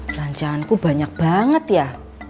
perancanganku banyak banget ya